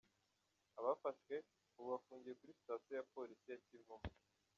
Abafashwe ubu bafungiye kuri Sitasiyo ya Polisi ya Kivumu.